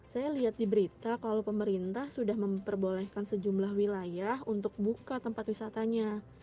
saya lihat di berita kalau pemerintah sudah memperbolehkan sejumlah wilayah untuk buka tempat wisatanya